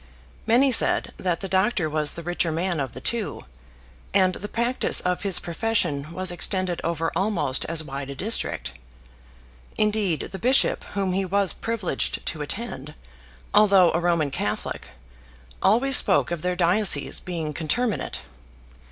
Many said that the doctor was the richer man of the two, and the practice of his profession was extended over almost as wide a district. Indeed the bishop whom he was privileged to attend, although a Roman Catholic, always spoke of their dioceses being conterminate.